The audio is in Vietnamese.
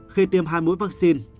khi tiêm hai mũi vaccine